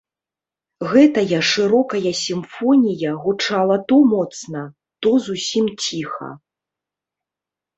Гэтая шырокая сімфонія гучала то моцна, то зусім ціха.